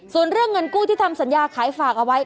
ส่วนเรื่องเงินกู้ที่ทำสัญญาขายฝากเอาไว้